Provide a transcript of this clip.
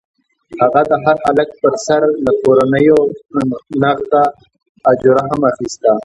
هغه د هر هلک پر سر له کورنیو نغده اجوره هم اخیسته.